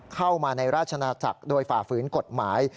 เข้ามาในราชนาจักรโดยฝ่าฝืนกฎหมาย